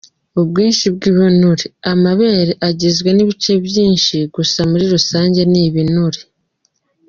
Ubwinshi bw’ibinure: amabere agizwe n’ibice byinshi gusa muri rusange ni ibinure.